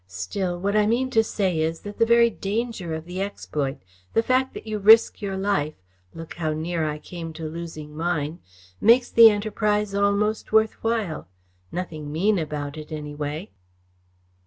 "Still, what I mean to say is, that the very danger of the exploit, the fact that you risk your life look how near I came to losing mine! makes the enterprise almost worth while. Nothing mean about it, anyway."